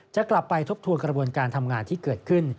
จะกลับไปทบทวนกระบวนการทำงานที่เกิดขึ้น